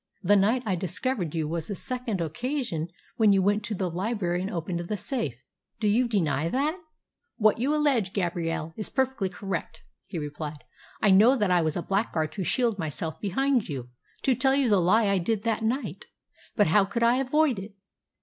The night I discovered you was the second occasion when you went to the library and opened the safe. Do you deny that?" "What you allege, Gabrielle, is perfectly correct," he replied. "I know that I was a blackguard to shield myself behind you to tell the lie I did that night. But how could I avoid it?"